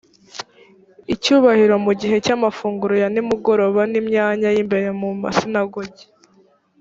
icyubahiro mu gihe cy amafunguro ya nimugoroba n imyanya y imbere mu masinagogi